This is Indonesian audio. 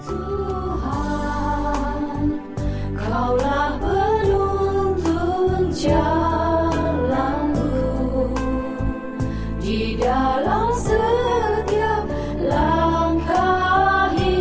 untuk jalanku di dalam setiap langkah hidup